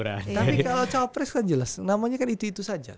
tapi kalau cawapres kan jelas namanya kan itu itu saja